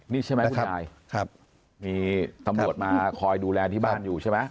นี่ใช่ไหมคุณยายครับมีตำรวจมาคอยดูแลที่บ้านอยู่ใช่ไหม